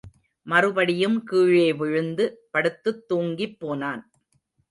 மறுபடியும் கீழே விழுந்து படுத்துத் தூங்கிப் போனான்.